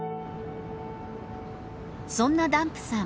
そんなダンプさん